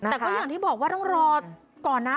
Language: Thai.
แต่ก็อย่างที่บอกว่าต้องรอก่อนนะ